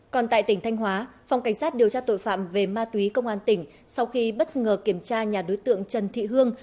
còn tại tỉnh thanh hóa phòng cảnh sát điều tra tội phạm về ma túy công an tỉnh sau khi bất ngờ kiểm tra nhà đối tượng trần thị hương